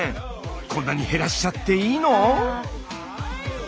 こんなに減らしちゃっていいの？